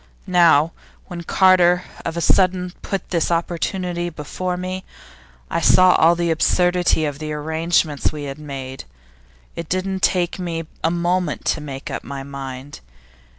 Now, when Carter of a sudden put this opportunity before me, I saw all the absurdity of the arrangements we had made. It didn't take me a moment to make up my mind.